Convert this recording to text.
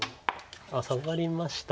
あっサガりました。